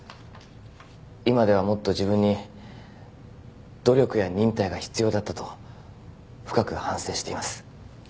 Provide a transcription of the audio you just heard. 今ではもっと自分に努力や忍耐が必要だったと深く反省しています。